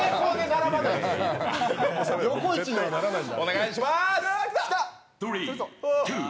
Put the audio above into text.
横一にはならないんだ。